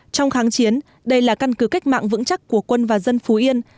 trong kháng chiến đây là căn cứ cách mạng vững chắc của quân và dân phú yên